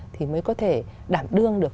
thì mới có thể đảm đương được